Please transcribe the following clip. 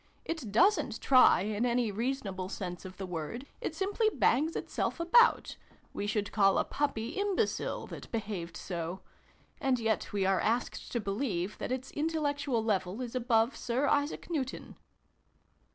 It doesrit try, in any rea sonable sense of the word : it simply bangs itself about ! We should call a puppy imbecile, that behaved so. And yet we are asked to believe that its intellectual level is above Sir Isaac Newton